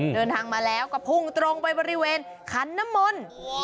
เดินทางมาแล้วก็พุ่งตรงไปบริเวณขันน้ำมนต์